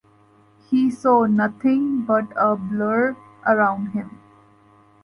He saw nothing but a blur around him.